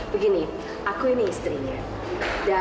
begini aku ini istrinya